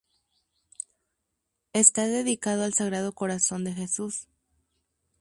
Está dedicado al Sagrado Corazón de Jesús.